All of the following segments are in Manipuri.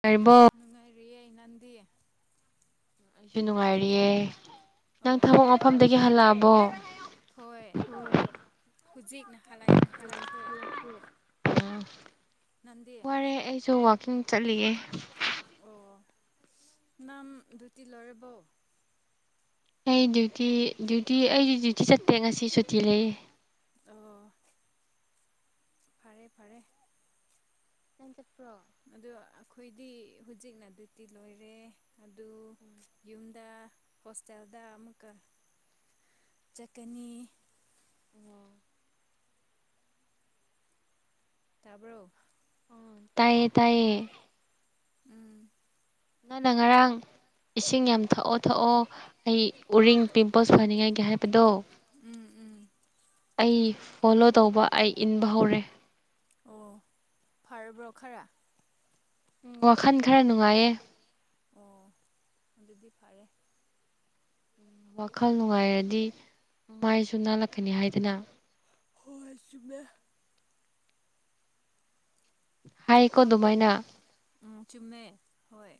ꯇꯔꯤꯕꯣ ꯔꯤꯑꯦ ꯅꯪꯗꯤ ꯑꯩꯁꯨ ꯅꯨꯡꯉꯥꯏꯔꯤꯌꯦ ꯅꯪ ꯑꯣ ꯊꯕꯛ ꯃꯐꯝꯗꯒꯤ ꯍꯜꯂꯛꯑꯕꯣ ꯍꯧꯖꯤꯛ ꯅꯍꯥꯟ ꯈꯜꯂꯛ ꯈꯔꯦ ꯋꯥꯔꯦ ꯑꯩꯁꯨ ꯋꯥꯀꯤꯡ ꯆꯠꯂꯤꯌꯦ ꯑꯣ ꯅꯝ ꯙꯨꯇ ꯂꯣꯏꯔꯕꯧ ꯑꯩ ꯗ꯭ꯌꯨꯇꯤ ꯗ꯭ꯌꯨꯇꯤ ꯑꯩꯗꯤ ꯗ꯭ꯌꯨꯇꯤ ꯆꯠꯇꯦ ꯉꯁꯤ ꯁꯨꯇꯤ ꯂꯩꯌꯦ ꯑꯣ ꯐꯔꯦ ꯐꯔꯦ ꯅꯪ ꯆꯠ꯭ꯄꯔꯣ ꯑꯗꯨ ꯑꯩꯈꯣꯏꯗꯤ ꯍꯧꯖꯤꯛꯅ ꯑꯗꯨꯇꯤ ꯂꯣꯏꯔꯦ ꯑꯗꯨ ꯌꯨꯝꯗ ꯍꯣꯁꯇꯦꯜꯗ ꯑꯃꯨꯛꯀꯥ [inaudible] ꯆꯠꯀꯅꯤ ꯇꯥꯕ꯭ꯔꯣ ꯎ ꯇꯥꯏꯌꯦ ꯇꯥꯏꯌꯦ ꯎꯝ ꯅꯪꯅ ꯉꯔꯥꯡ ꯏꯁꯤꯡ ꯌꯥꯝ ꯊꯛꯑꯣ ꯊꯛꯑꯣ ꯑꯩ ꯎꯔꯤꯡ ꯄꯤꯝꯄꯜꯁ ꯐꯅꯤꯡꯉꯥꯏꯒꯤ ꯍꯥꯏꯕꯗꯣ ꯎꯝ ꯎꯝ ꯑꯩ ꯐꯣꯂꯣ ꯇꯧꯕ ꯑꯩ ꯏꯟꯕ ꯍꯧꯔꯦ ꯑꯣ ꯐꯔꯕ꯭ꯔꯣ ꯈꯔ ꯎ ꯋꯥꯈꯜ ꯈꯔ ꯅꯨꯡꯉꯥꯏꯌꯦ ꯑꯣ ꯑꯗꯨꯗꯤ ꯐꯔꯦ ꯋꯥꯈꯜ ꯅꯨꯡꯉꯥꯏꯔꯗꯤ ꯃꯥꯏꯁꯨ ꯅꯥꯜꯂꯛꯀꯅꯤ ꯍꯥꯏꯗꯅ ꯍꯣꯏ ꯆꯨꯝꯃꯦ ꯍꯥꯏꯀꯣ ꯅꯪ ꯕꯣꯏ ꯑꯗꯨꯃꯥꯏꯅ ꯎꯝ ꯆꯨꯨꯝꯃꯦ ꯍꯣꯏ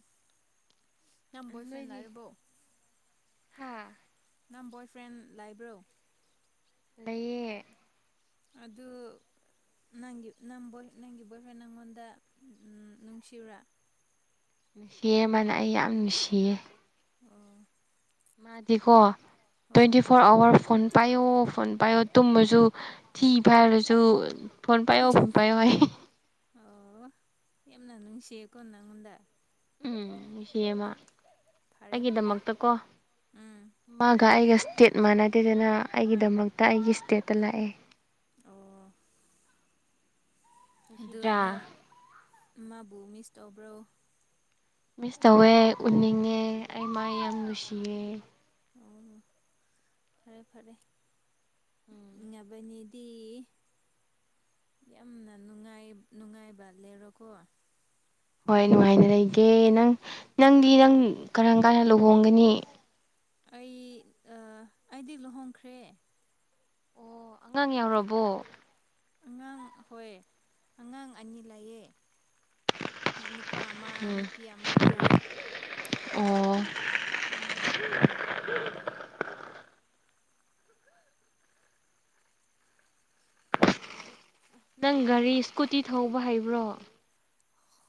ꯅꯪ ꯕꯣꯏꯐ꯭ꯔꯦꯟ ꯂꯩꯔꯕꯣ ꯍꯥꯥ ꯅꯪ ꯕꯣꯏ ꯐ꯭ꯔꯦꯟ ꯂꯥꯏꯕ꯭ꯔꯣ ꯂꯩꯌꯦ ꯑꯗꯨ ꯅꯪꯒꯤ ꯅ ꯅꯪꯒꯤ ꯕꯣꯏꯐ꯭ꯔꯦꯟ ꯅꯪꯉꯣꯟꯗ ꯅꯨꯡꯁꯤꯕ꯭ꯔꯥ ꯅꯨꯡꯁꯤ ꯃꯥꯅ ꯑꯩ ꯌꯥꯝ ꯅꯨꯡꯁꯤꯌꯦ ꯑꯣ ꯃꯥꯗꯤꯀꯣ ꯍꯣꯏ ꯇ꯭ꯋꯦꯟꯇꯤ ꯐꯣꯔ ꯑꯋꯥꯔ ꯐꯣꯟ ꯄꯥꯏꯌꯣ ꯐꯣꯟ ꯄꯥꯏꯌꯣ ꯇꯨꯝꯕꯁꯨ ꯊꯤ ꯐꯥꯏꯔꯁꯨ ꯐꯣꯟ ꯄꯥꯏꯌꯣ ꯐꯣꯟ ꯄꯥꯏꯌꯣ ꯍꯥꯏ ꯑꯣ ꯌꯥꯝꯅ ꯅꯨꯡꯁꯤꯀꯣ ꯅꯪꯑꯣꯟꯗ ꯎꯝ ꯏꯆꯃ ꯐꯔꯦ ꯐꯔꯦ ꯑꯩꯒꯤꯗꯃꯛꯇꯀꯣ ꯎꯝ ꯃꯥꯒ ꯑꯩꯒ ꯏꯁꯇꯦꯠ ꯃꯥꯟꯅꯗꯦꯗꯅ ꯑꯩꯒꯤꯗꯃꯛꯇ ꯑꯩꯒꯤ ꯏꯁꯇꯦꯠꯇ ꯂꯥꯛꯑꯦ ꯑꯣ ꯑꯗꯨ ꯁꯤꯔꯥ ꯅꯪ ꯃꯥꯕꯨ ꯃꯤꯁ ꯇꯧꯕ꯭ꯔꯣ ꯃꯤꯁ ꯇꯧꯋꯦ ꯎꯅꯤꯡꯉꯦ ꯑꯩ ꯃ ꯌꯥꯝ ꯅꯨꯡꯁꯤꯌꯦ ꯑꯣ ꯐꯔꯦ ꯐꯔꯦ ꯎꯝ ꯌꯥꯕꯅꯤ [unintelligible] ꯌꯥꯝꯅ ꯅꯨꯡꯉꯥꯏꯕ ꯂꯩꯔꯣꯀꯣ ꯍꯣꯏ ꯅꯨꯡꯉꯥꯏꯅ ꯂꯩꯒꯦ ꯅꯪ ꯅꯪꯗꯤ ꯅꯪ ꯀꯔꯝ ꯀꯥꯟꯗ ꯂꯨꯍꯣꯡꯒꯅꯤ ꯑꯩ ꯑꯩꯗꯤ ꯂꯨꯍꯣꯡꯈ꯭ꯔꯦ ꯑꯣ ꯑꯉꯥꯡ ꯌꯥꯎꯔꯕꯣ ꯑꯉꯥꯡ ꯍꯣꯏ ꯑꯉꯥꯡ ꯑꯅꯤ ꯂꯑꯦ ꯅꯨꯄꯥ ꯑꯃ ꯎꯝ ꯅꯨꯄꯤ ꯑꯃ ꯂꯩꯌꯦ ꯑꯣ ꯎꯝ ꯅꯪ ꯒꯥꯔꯤ ꯏꯁꯀꯨꯇꯤ ꯊꯧꯕ ꯍꯩꯕ꯭ꯔꯣ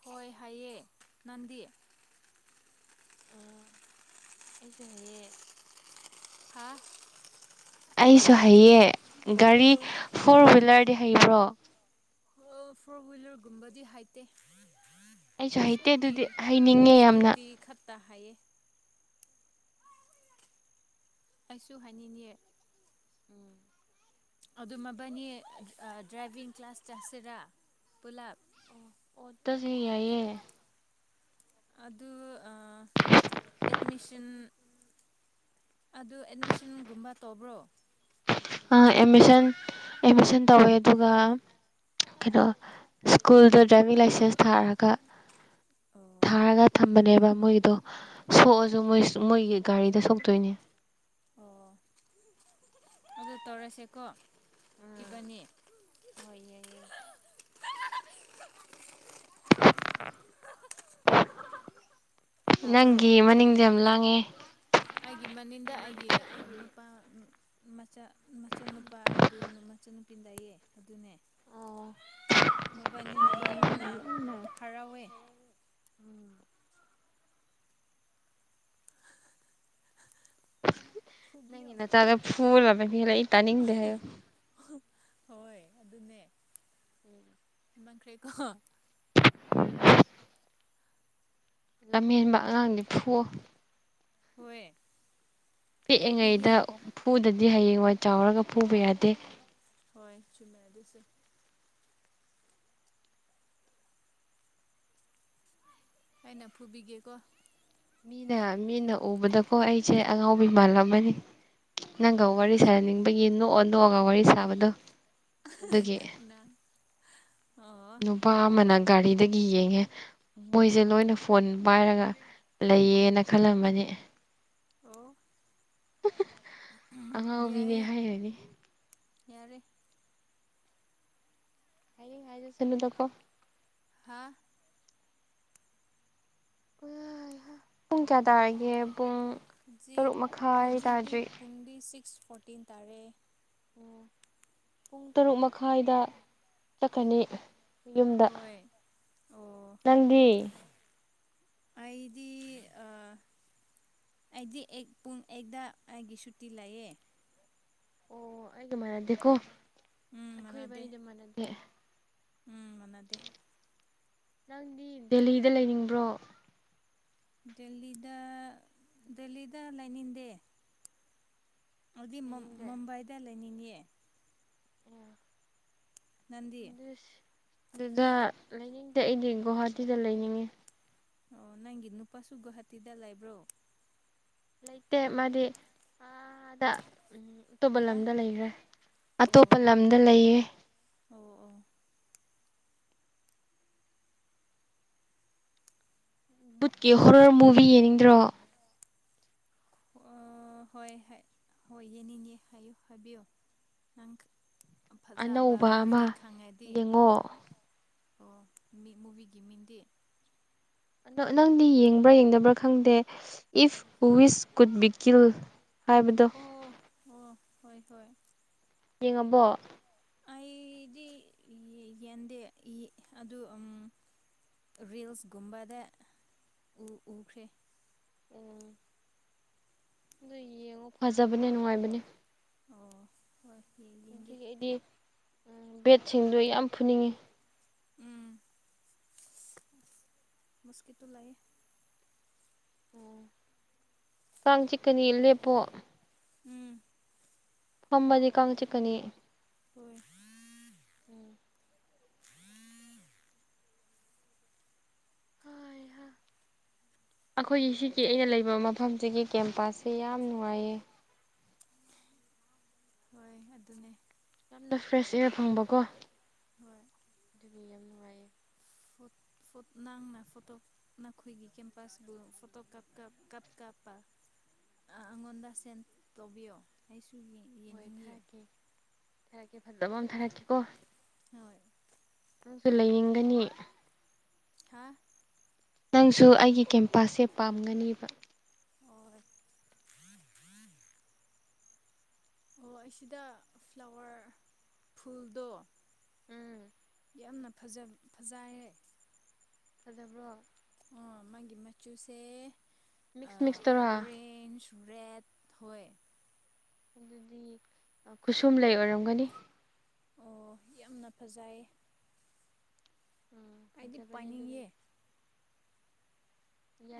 ꯍꯣꯏ ꯍꯥꯏꯌꯦ ꯅꯪꯗꯤ ꯑꯩꯁꯨ ꯍꯌꯦ ꯍꯥ ꯑꯩꯁꯨ ꯍꯩꯌꯦ ꯒꯥꯔꯤ ꯐꯣꯔ ꯍ꯭ꯋꯤꯂꯔꯗꯤ ꯍꯩꯕ꯭ꯔꯣ ꯑꯣ ꯐꯣꯔ ꯍ꯭ꯋꯤꯂꯔꯒꯨꯝꯕꯗꯤ ꯍꯥꯏꯇꯦ ꯑꯩꯁꯨ ꯍꯩꯇꯦ ꯑꯗꯨꯗꯤ ꯍꯩꯅꯤꯡꯉꯦ ꯌꯥꯝꯅ ꯇꯌꯦ ꯑꯩꯁꯨ ꯍꯥꯏꯅꯤꯡꯉꯦ ꯎꯝ ꯑꯗꯨ ꯃꯕꯥꯅꯤ ꯗ꯭ꯔꯥꯏꯚꯡ ꯀ꯭ꯂꯥꯁ ꯆꯥꯁꯤꯔꯥ ꯄꯨꯂꯞ ꯑꯣꯗ ꯁ ꯌꯥꯌꯦ ꯑꯗꯨ ꯑ ꯑꯦꯠꯃꯤꯁꯟ ꯑꯗꯨ ꯑꯦꯠꯃꯤꯁꯟꯒꯨꯝꯕ ꯇꯧꯕ꯭ꯔꯣ ꯑꯃꯤꯁꯟ ꯑꯦꯃꯤꯁꯟ ꯇꯧꯋꯦ ꯑꯗꯨꯒ ꯀꯩꯅꯣ ꯁ꯭ꯀꯨꯜꯗ ꯗ꯭ꯔꯥꯏꯚꯤꯡ ꯂꯥꯏꯁꯦꯟꯁ ꯊꯥꯔꯒ ꯑꯣ ꯊꯥꯔꯒ ꯊꯝꯕꯅꯦꯕ ꯃꯣꯏꯗꯣ ꯍꯣꯏ ꯁꯣꯛꯑꯁꯨ ꯃꯣꯏ ꯃꯣꯏꯒꯤ ꯒꯥꯔꯤꯗ ꯁꯣꯛꯇꯣꯏꯅꯦ ꯑꯣ ꯑꯗꯨ ꯇꯧꯔꯁꯦꯀꯣ ꯑꯝ ꯏꯕꯥꯅꯤ ꯍꯏꯌꯦꯌꯦ [unintelligible] ꯇꯥꯕ꯭ꯔꯣ ꯅꯪꯒꯤ ꯃꯅꯤꯡꯗꯤ ꯌꯥꯝ ꯂꯥꯡꯉꯦ ꯑꯩꯒꯤ ꯃꯅꯤꯡꯗ ꯑꯩꯒꯤ ꯅꯨꯄꯥ ꯃꯆꯥ ꯃꯆꯥ ꯅꯨꯨꯄꯥ ꯑꯗꯨ ꯃꯁꯨ ꯅꯨꯄꯤ ꯂꯏꯌꯦ ꯑꯗꯨꯅꯦ ꯑ ꯃꯕꯥꯅꯤꯅ ꯌꯥꯝꯅ ꯂꯥꯡꯉꯦ ꯌꯥꯝꯅ ꯍꯔꯥꯎꯋꯦ ꯐꯨꯕꯤꯌꯣ ꯅꯅ ꯆꯒ ꯐꯨꯜ ꯐꯂ ꯏꯇꯅꯤ ꯍꯥꯏ ꯍꯣꯏ ꯑꯗꯨꯅꯦ ꯍꯦꯟꯃꯟꯈ꯭ꯔꯦꯀꯣ ꯂꯝꯍꯦꯟꯕ ꯑꯉꯥꯡꯗꯤ ꯐꯨꯋꯣ ꯍꯣꯌꯦ ꯄꯤꯛꯏꯉꯩꯗ ꯐꯨꯗꯗꯤ ꯍꯌꯦꯡꯋꯥꯏ ꯆꯥꯎꯔꯒ ꯐꯨꯕ ꯌꯥꯗꯦ ꯍꯣꯏ ꯆ ꯃꯗꯁ ꯑꯩꯅ ꯐꯨꯕꯤꯒꯀꯣ ꯃꯤꯅ ꯃꯤꯅ ꯎꯕꯗꯀꯣ ꯑꯩꯁꯦ ꯑꯉꯥꯎꯕꯤꯤ ꯃꯥꯜꯂꯝ ꯑꯃꯅꯤ ꯍꯣꯏ ꯅꯪꯒ ꯋꯥꯔꯤ ꯑꯩꯁꯨ ꯁꯥꯍꯅꯤꯡꯕꯒꯤ ꯅꯣꯛꯑ ꯅꯣꯛꯑꯒ ꯋꯥꯔꯤ ꯁꯥꯕꯗꯣ ꯑꯗꯨꯒꯤ ꯅ [unintelligible] ꯅꯨꯄꯥ ꯑꯃꯅ ꯒꯥꯔꯤꯗꯒꯤ ꯌꯦꯡꯉꯦ ꯃꯣꯏꯁꯦ ꯂꯣꯏꯅ ꯐꯣꯟ ꯄꯥꯏꯔꯒ ꯂꯩꯌꯦꯅ ꯈꯜꯂꯝꯕꯅꯤ ꯑꯣ ꯑꯉꯥꯎꯕꯤꯅꯦ ꯌꯥꯏꯌꯦ ꯍꯥꯏꯔꯅꯤ ꯌꯥꯔꯦ ꯍꯥꯏꯌꯦꯡ ꯍꯥꯏꯗ ꯁꯂꯨꯗꯀꯣ ꯍꯥꯥ ꯑ ꯄꯨꯡ ꯀꯌꯥ ꯇꯒꯦ ꯄꯨꯡ ꯍꯧꯖꯤꯛ ꯇꯔꯨꯛ ꯃꯈꯥꯏ ꯇꯥꯗ꯭ꯔꯤ ꯁꯤꯁ ꯐꯣꯔꯇꯤꯟ ꯇꯥꯔꯦ ꯑꯣ ꯄꯨꯡ ꯇꯔꯨꯛ ꯃꯈꯥꯏꯗ ꯆꯠꯀꯅꯤ ꯌꯨꯝꯗ ꯍꯣꯏ ꯑꯣ ꯅꯪꯗꯤ ꯑꯩꯗꯤ ꯑꯩꯗꯤ ꯄꯨꯡ ꯑꯛꯇ ꯑꯩꯒꯤ ꯁꯨꯇꯤ ꯂꯩꯑꯦ ꯑꯣ ꯑꯩꯒ ꯃꯥꯟꯅꯗꯦꯀꯣ ꯎꯝ ꯑꯩꯈꯣꯏ ꯃꯥꯟꯅꯗꯦ ꯋꯥꯔꯤꯔꯤꯗꯤ ꯃꯥꯟꯅꯗꯦ ꯎꯝ ꯃꯅꯥꯗꯤ ꯅꯪꯗꯤ ꯗꯦꯍꯤꯗ ꯂꯩꯅꯤꯡꯕ꯭ꯔꯣ ꯗꯗ ꯗꯦꯜꯂꯤꯗ ꯂꯩꯅꯤꯡꯗꯦ ꯑꯗꯨꯗꯤ ꯂꯩꯅꯤꯡꯗꯦ ꯃꯨꯝꯕꯥꯏꯗ ꯂꯩꯅꯤꯡꯅꯤꯌꯦ ꯅꯪꯗꯤ ꯑꯣꯗꯁ ꯑꯗꯨꯗ ꯂꯩꯅꯤꯡꯗꯦ ꯑꯩꯗꯤ ꯒꯨꯍꯥꯇꯤꯗ ꯂꯩꯅꯤꯡꯉꯤ ꯑꯣ ꯅꯪꯒꯤ ꯅꯨꯄꯥꯁꯨ ꯒꯨꯍꯥꯇꯤꯗ ꯂꯩꯕ꯭ꯔꯣ ꯂꯩ ꯂꯩꯇ ꯃꯥꯗꯤ ꯑꯗ ꯎꯝ ꯑꯇꯣꯞꯄ ꯍꯥ ꯂꯝꯗ ꯂꯩꯈ꯭ꯔꯦ ꯑꯇꯣꯞꯄ ꯑꯣ ꯂꯝꯗ ꯂꯩꯌꯦ ꯑꯣ ꯑꯣ ꯕꯨꯠꯀꯤ ꯍꯣꯔꯔ ꯃꯨꯚꯤ ꯌꯦꯡꯅꯤꯡꯗ꯭ꯔꯣ [inaudible] ꯑꯣ ꯍꯣꯏ ꯍꯣꯏ ꯏꯅꯤꯅꯦ ꯍꯥꯏꯌꯨ ꯍꯥꯏꯕꯤꯌꯣ ꯅꯪ ꯐꯖꯕ ꯑꯅꯧꯕ ꯑꯃ ꯃꯨꯚꯤ ꯈꯪꯉꯗꯤ ꯌꯦꯡꯉꯣ ꯑꯣ ꯃꯤꯠ ꯃꯨꯚꯤꯒꯤ ꯃꯤꯗꯤ ꯅꯪꯗꯤ ꯌꯦꯡꯕ꯭ꯔꯥ ꯌꯦꯡꯗꯕ꯭ꯔꯥ ꯈꯪꯗꯦ ꯏꯐ ꯋꯤꯁ ꯀꯒꯨꯠ ꯕꯤꯤꯀꯤꯤꯜ ꯍꯥꯏꯕꯗꯣ ꯑꯣ ꯑꯣ ꯍꯣꯏ ꯍꯣꯏ ꯌꯦꯡꯉꯕꯣ ꯑꯩꯗꯤ ꯌꯦꯟꯗꯦ ꯑꯗꯨ ꯔꯜꯁꯒꯨꯝꯕꯗ ꯎ ꯎꯈ꯭ꯔꯦ ꯎꯝ ꯑꯗꯨ ꯌꯦꯡꯉꯣ ꯐꯖꯕꯅꯦ ꯅꯨꯡꯉꯥꯏꯕꯅꯦ ꯑꯣ ꯍꯣꯏ ꯏꯇ ꯌꯦꯡꯒꯦ ꯑꯗꯨ ꯕꯦꯠꯁꯤꯡꯗꯣ ꯌꯥꯝ ꯐꯨꯅꯤꯡꯉꯤ ꯃꯁꯀꯤꯇꯨ ꯂꯥꯏ ꯑꯣ ꯀꯥꯡꯥꯡ ꯆꯤꯛꯀꯅꯤ ꯂꯦꯞꯄꯣ ꯎꯝ ꯐꯝꯕꯅꯤ ꯀꯪ ꯆ ꯀꯅꯤ ꯍꯣꯏ ꯍꯣꯏ ꯍ ꯑꯩꯈꯣꯏꯒꯤ ꯁꯤꯒꯤ ꯑꯩꯅ ꯂꯩꯕ ꯃꯐꯝꯁꯤꯒꯤ ꯀꯦꯝꯄꯁꯁꯦ ꯌꯥꯝ ꯅꯨꯡꯉꯥꯏꯌꯦ ꯍꯣꯏ ꯑꯗꯨꯅꯦ ꯌꯥꯝꯅ ꯐ꯭ꯔꯦꯁ ꯏꯌꯥꯔ ꯐꯪꯕꯀꯣ ꯍꯣꯏ ꯑꯗꯨꯗꯤ ꯌꯥꯝ ꯅꯨꯡꯉꯥꯏꯌꯦ ꯍ ꯅꯪꯅ ꯐꯣꯇꯣ ꯅꯈꯣꯏꯒꯤ ꯀꯦꯝꯄꯥꯁꯄꯨ ꯐꯣꯇꯣꯞ ꯀꯥꯞ ꯀꯥꯞꯄ ꯑꯩꯉꯣꯟꯗ ꯁꯦꯟ ꯇꯧꯕꯤꯌꯣ ꯑꯩꯁꯨ ꯌꯦ [unintelligible] ꯀꯣ ꯍꯣꯏ ꯅꯪꯁꯨ ꯂꯩꯅꯤꯡꯒꯅꯤ ꯍꯥ ꯅꯪꯁꯨ ꯑꯩꯒꯤ ꯀꯦꯝꯄꯥꯁꯁꯦ ꯄꯥꯝꯒꯅꯦꯕ ꯍꯣꯏ ꯑꯣ ꯑꯩ ꯁꯤꯗ ꯐ꯭ꯂꯥꯋꯔ ꯐꯨꯜꯗꯣ ꯎꯝ ꯌꯥꯝꯅ ꯐꯖ ꯐꯖꯥꯏꯔꯦ ꯐꯖꯕ꯭ꯔꯣ ꯑꯣ ꯃꯥꯒꯤ ꯃꯆꯨꯁꯦ ꯃꯤꯛꯁ ꯃꯤꯛꯁ ꯇꯔꯥ ꯑꯣꯔꯦꯟꯖ ꯔꯦꯠ ꯍꯣꯏ ꯑꯗꯨꯗꯤ ꯈꯨꯠꯁꯨꯨꯝ ꯂꯩ ꯑꯣꯏꯔꯝꯒꯅꯤ ꯑꯣ ꯌꯥꯝꯅ ꯐꯖꯩ ꯎꯝ ꯑꯩꯗꯤ ꯈꯖꯄꯅꯤ ꯑꯗꯨ ꯂꯩ ꯄꯥꯏꯅꯤꯡꯉꯦ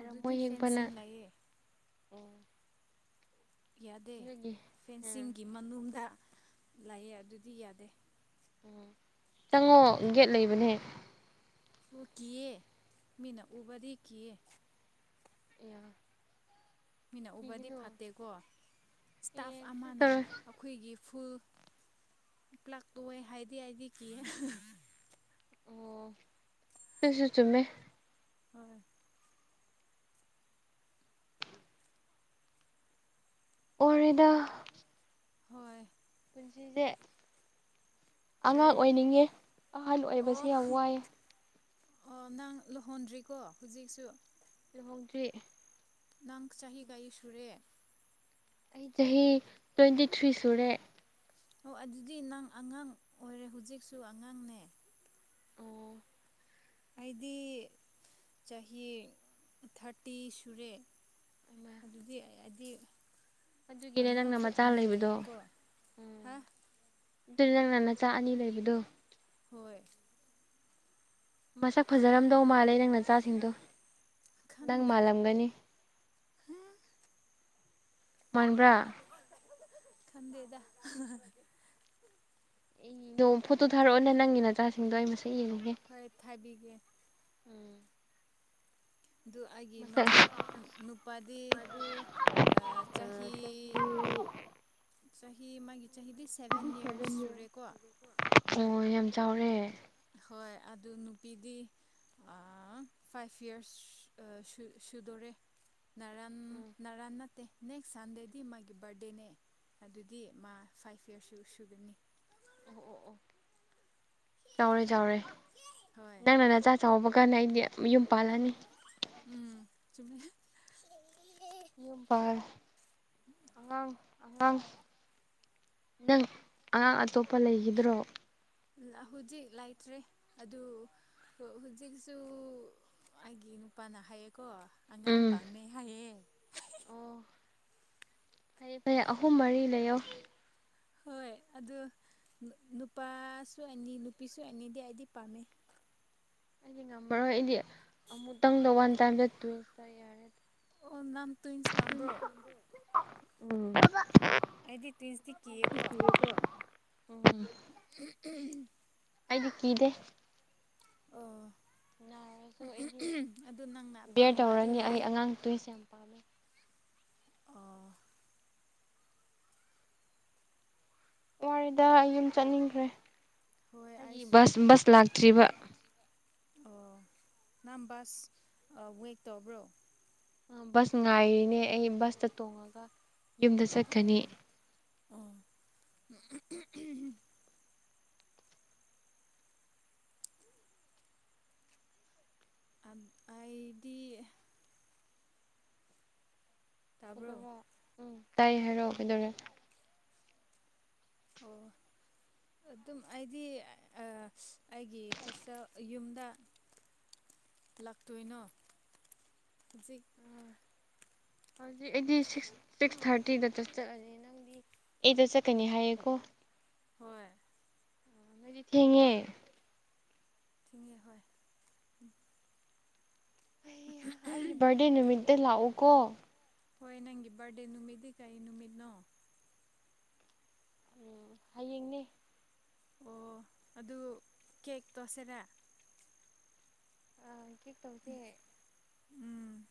ꯑꯗꯨꯗꯤ ꯍꯦꯛꯄꯅ ꯐꯦꯟꯁꯤꯡ ꯂꯩꯌꯦ ꯑꯣ ꯌꯥꯗꯦ ꯅꯣꯏꯒꯤ ꯎꯝ ꯐꯦꯟꯁꯤꯡꯒꯤ ꯃꯅꯨꯡꯗ ꯂꯥꯛꯑꯦ ꯑꯗꯨꯗꯤ ꯌꯥꯗꯦ ꯎ ꯆꯪꯉꯣ ꯒꯦꯠ ꯂꯩꯕꯅꯦ ꯑꯣ ꯀꯑ ꯃꯤꯅ ꯎꯕꯗꯤ ꯀꯦ ꯏ ꯃꯤꯅꯛ ꯎꯕꯗꯤ ꯐꯠꯇꯦꯀꯣ ꯏꯁꯇꯥꯐ ꯑꯦ ꯀꯩꯁꯨ ꯑꯃꯅ ꯇꯧꯔꯣꯏ ꯑꯩꯈꯣꯏꯒꯤ ꯐꯨꯜ ꯄ꯭ꯂꯥꯛꯇꯣꯋꯦ ꯍꯥꯏꯗꯤ ꯍꯥꯏꯗꯤ ꯀꯤꯑꯦ ꯑꯣ ꯑꯩꯁꯨ ꯆꯨꯝꯃꯦ ꯍꯣꯏ ꯑꯣꯏꯗ ꯍꯣꯏ ꯁꯤꯁꯦ ꯑꯉꯥꯡ ꯀꯔꯤ ꯑꯣꯏꯅꯤꯡꯉꯦ ꯑꯍꯜ ꯑꯣꯏꯕꯁꯦ ꯑꯣ ꯌꯥꯝ ꯋꯥꯏꯑꯦ ꯑꯣ ꯅꯪ ꯂꯨꯍꯣꯟꯗ꯭ꯔꯤꯀꯣ ꯍꯧꯖꯤꯛꯁꯨ ꯂꯨꯍꯧꯗ꯭ꯔꯤ ꯅꯪ ꯆꯍꯤꯒꯥꯏ ꯁꯨꯔꯦ ꯑꯩ ꯆꯍꯤ ꯇ꯭ꯋꯦꯟꯇꯤ ꯊ꯭ꯔꯤ ꯁꯨꯔꯦ ꯑꯣ ꯑꯗꯨꯗꯤ ꯅꯪ ꯑꯉꯥꯡ ꯑꯣꯏꯔꯦ ꯍꯧꯖꯤꯛꯁꯨ ꯑꯉꯥꯡꯅꯦ ꯎꯝ ꯑꯩꯗꯤ ꯆꯍꯤ ꯊꯥꯔꯇꯤ ꯁꯨꯔꯦ ꯑꯃ ꯑꯗꯨꯗꯤ ꯑꯩꯗꯤ ꯑꯗꯨꯒꯤꯅꯦ ꯅꯪꯅ ꯑꯉꯥꯡꯁꯨ ꯃꯆꯥ ꯑꯅꯤ ꯂꯩꯕꯗꯣ ꯂꯩꯌꯦꯀꯣ ꯎꯝ ꯍꯥ ꯑꯗꯨꯗꯤ ꯅꯪꯅ ꯅꯆꯥ ꯑꯅꯤ ꯂꯩꯕꯗꯣ ꯍꯣꯏ ꯃꯁꯛ ꯐꯖꯔꯝꯗꯧ ꯃꯥꯜꯂꯦ ꯅꯪ ꯅꯆꯥꯁꯤꯡꯗꯣ ꯅꯪ ꯈꯟꯗꯦ ꯃꯥꯜꯂꯝꯒꯅꯤ ꯃꯥꯟꯕ꯭ꯔꯥ ꯈꯟꯗꯦꯗ ꯑꯦ ꯅꯣꯡ ꯐꯣꯇꯣ ꯊꯥꯔꯛꯑꯣꯅꯦ ꯅꯪꯒꯤ ꯅꯆꯥꯁꯤꯡꯗꯣ ꯑꯩ ꯃꯁꯛ ꯌꯦꯡꯒꯦ ꯍꯣꯏ ꯊꯥꯕꯤꯦ ꯑꯗꯨ ꯑꯩꯒꯤ ꯃꯁꯛ ꯃꯆꯥꯨ ꯅꯨꯄꯥꯗꯤ ꯆꯍꯤ ꯆꯍꯤ ꯃꯥꯒꯤ ꯆꯍꯤꯗꯤ ꯁꯚꯦꯟ ꯌꯌꯥꯔꯁ ꯁꯨꯔꯦꯀꯣ ꯑꯣ ꯌꯥꯝ ꯆꯥꯎꯔꯦ ꯍꯣꯏ ꯑꯗꯨ ꯅꯨꯄꯤꯗꯤ ꯐꯥꯏꯚ ꯏꯔꯁ ꯁꯨꯗꯣꯔꯦ ꯅꯔꯥꯟ ꯅꯔꯥꯟ ꯅꯠꯇꯦ ꯅꯦꯛꯁ ꯁꯟꯗꯦꯗꯤ ꯃꯥꯒꯤ ꯕꯥꯔꯗꯦꯅꯦ ꯑꯗꯨꯗꯤ ꯃꯥ ꯐꯥꯏꯚ ꯏꯌꯔꯁꯁꯨ ꯁꯨꯒꯅꯤ ꯑꯣ ꯑꯣ ꯑꯣ ꯆꯥꯎꯔꯦ ꯆꯥꯎꯔꯦ ꯍꯣꯏ ꯅꯪꯅ ꯅꯆꯥꯥ ꯆꯥꯎꯕ ꯀꯅꯥꯏꯗꯤ ꯌꯨꯝ ꯄꯂꯅꯤ ꯎꯝ ꯆ ꯌꯨꯝꯕ ꯑꯉꯥꯡ ꯑꯉꯥꯡ ꯅꯪ ꯑꯉꯥꯡ ꯑꯇꯣꯞꯄ ꯂꯩꯈꯤꯗ꯭ꯔꯣ ꯍꯧꯖꯤꯛ ꯂꯩꯇ꯭ꯔꯦ ꯑꯗꯨ ꯍꯧꯖꯤꯛꯁꯨ ꯑꯩꯒꯤ ꯅꯨꯄꯥꯅ ꯍꯥꯏꯌꯦꯀꯣ ꯑꯉꯥꯡꯝ ꯎꯝ ꯄꯥꯝꯃꯦ ꯍꯥꯏꯌꯦ ꯐꯩꯦ ꯐꯔꯦ ꯑꯍꯨꯝ ꯃꯔꯤ ꯂꯩꯌꯣ ꯍꯣꯏ ꯑꯗꯨ ꯅꯨꯄꯥꯁꯨ ꯑꯅꯤ ꯅꯨꯄꯤꯁꯨ ꯑꯅꯤꯗꯤ ꯑꯩꯗꯤ ꯄꯥꯝꯃꯦ ꯑꯩꯗꯤ ꯉꯝꯃꯔꯣꯏ ꯑꯩꯗꯤ ꯑꯃꯨꯛꯇꯪꯗ ꯋꯥꯟ ꯇꯥꯏꯝꯗ ꯇꯨꯋꯇ ꯌꯥꯔꯦ ꯑꯣ ꯅꯝ ꯇꯨꯁ ꯄꯝ꯭ꯔꯣ ꯎꯝ ꯑꯩꯗꯤ ꯇꯨꯁꯇ ꯀꯤꯌꯦꯀꯣ ꯎꯝ ꯑꯩꯗꯤ ꯀꯤꯗꯦ ꯑꯣ ꯅꯥꯔꯁꯨ ꯑꯩꯗꯤ ꯑꯗꯨ ꯅꯪꯅ ꯕꯕꯤꯌꯔ ꯇꯧꯔꯅꯤ ꯑꯄꯥꯝꯕꯗꯤ ꯑꯩ ꯑꯉꯥꯡ ꯇꯣꯏ ꯁꯦꯝꯦ ꯄꯥꯥꯝꯃꯦ ꯑꯣ ꯋꯥꯔꯤꯗ ꯑꯩ ꯌꯨꯝ ꯆꯠꯅꯤꯡꯈ꯭ꯔꯦ ꯍꯣꯏ ꯑꯩꯒꯤ ꯑꯩꯁꯨ ꯕꯁ ꯕꯁ ꯂꯥꯛꯇ꯭ꯔꯤꯕ ꯑꯣ ꯅꯪ ꯕꯁ ꯋꯦꯦꯛ ꯇꯧꯕ꯭ꯔꯣ ꯕꯁ ꯉꯥꯏꯔꯤꯅꯦ ꯑꯩ ꯕꯁꯇ ꯇꯣꯡꯉꯒ ꯌꯨꯝꯗ ꯑꯣ ꯆꯠꯀꯅꯤ ꯑꯣ ꯑꯩꯗꯤ ꯇꯥꯕ꯭ꯔꯣ ꯀꯩꯗꯧꯔꯦ ꯎꯝ ꯇꯥꯏ ꯍꯥꯏꯔꯣ ꯀꯩꯗꯧꯔꯒꯦ ꯑꯣ [unintelligible] ꯑꯗꯨꯝ ꯑꯩꯗꯤ ꯑꯩꯒꯤ ꯍꯣꯁꯇꯦꯜ ꯌꯨꯝꯗ ꯂꯥꯛꯇꯣꯏꯅꯣ ꯍꯧꯖꯤꯛ ꯍꯧꯖꯤꯛ ꯑꯩꯗꯤꯁ ꯁꯤꯛꯁ ꯊꯥꯔꯇꯤꯗ ꯆꯠꯆꯠꯂꯁꯦ ꯅꯪꯗꯤ ꯑꯩꯗꯣ ꯆꯠꯀꯅꯤ ꯍꯥꯏꯌꯦꯀꯣ ꯍꯣꯏ ꯅꯣꯏꯗꯤ ꯊꯦꯡꯉꯦ ꯊꯤꯡꯦ ꯍꯣꯏ ꯑꯩꯒꯤ ꯕꯥꯔꯗꯦ ꯅꯨꯃꯤꯠꯇ ꯂꯥꯛꯎꯀꯣ ꯍꯣꯏ ꯅꯪꯒꯤ ꯕꯥꯔꯗꯦ ꯅꯨꯃꯤꯠꯗꯤ ꯀꯩ ꯅꯨꯃꯤꯠꯅꯣ ꯎꯝ ꯍꯌꯦꯡꯅꯦ ꯑꯣ ꯑꯗꯨ ꯀꯦꯛꯇꯣꯁꯤꯔ ꯑ ꯀꯦꯛ ꯇꯧꯁꯦ ꯎꯝ